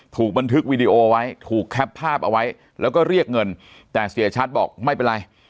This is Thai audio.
ถูกบันทึกวีดีโอไว้ถูกแคปภาพเอาไว้แล้วก็เรียกเงินแต่เสียชัดบอกไม่เป็นไร